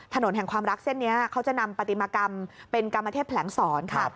ถนนแห่งความรักเส้นนี้เขาจะนำปฏิมากรรมเป็นกรรมเทพแผลงศรค่ะ